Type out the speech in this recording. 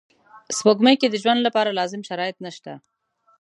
سپوږمۍ کې د ژوند لپاره لازم شرایط نشته